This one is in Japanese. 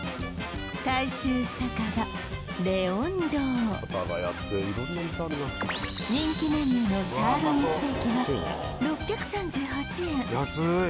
大衆酒場れおん堂人気メニューのサーロインステーキは６３８円